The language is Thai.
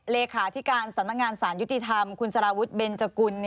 เลขาธิการสำนักงานสารยุติธรรมคุณสารวุฒิเบนจกุล